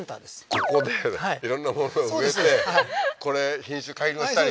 ここで色んなもの植えてこれ品種改良したり？